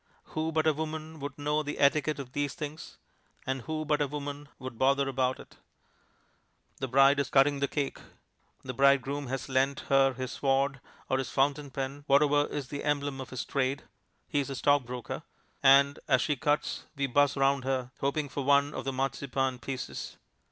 Who but a woman would know the etiquette of these things, and who but a woman would bother about it? The bride is cutting the cake. The bridegroom has lent her his sword, or his fountain pen, whatever is the emblem of his trade he is a stockbroker and as she cuts, we buzz round her, hoping for one of the marzipan pieces.